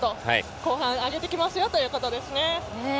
後半上げてきますよということです。